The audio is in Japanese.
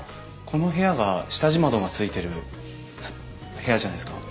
この部屋が下地窓がついてる部屋じゃないですか？